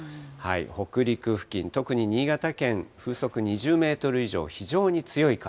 北陸付近、特に新潟県、風速２０メートル以上、非常に強い風。